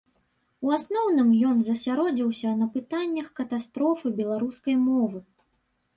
У асноўным ён засяродзіўся на пытаннях катастрофы беларускай мовы.